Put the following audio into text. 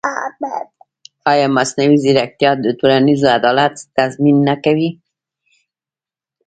ایا مصنوعي ځیرکتیا د ټولنیز عدالت تضمین نه کوي؟